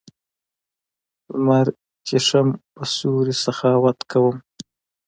لمر چېښم په سیوري سخاوت کوم